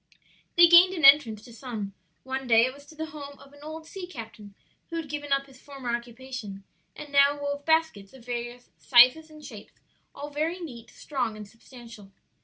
They gained an entrance to some; one day it was to the home of an old sea captain who had given up his former occupation and now wove baskets of various sizes and shapes, all very neat, strong and substantial.